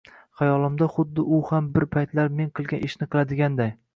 xayolimda xuddi u ham bir paytlar men qilgan ishni qiladiganday